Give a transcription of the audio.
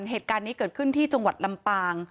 เหตุการณ์นี้เกิดขึ้นที่จังหวัดลำปาง